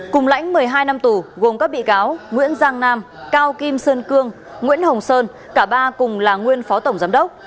cùng lãnh một mươi hai năm tù gồm các bị cáo nguyễn giang nam cao kim sơn cương nguyễn hồng sơn cả ba cùng là nguyên phó tổng giám đốc